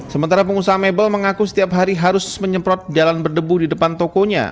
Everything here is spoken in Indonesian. sementara pengusaha mebel mengaku setiap hari harus menyemprot jalan berdebu di depan tokonya